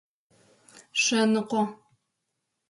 Шъэныкъо.